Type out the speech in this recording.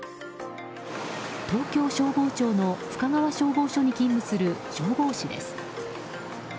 東京消防庁の深川消防署に勤務する消防士です。